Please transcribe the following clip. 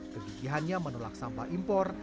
kebijikannya menolak sampah impor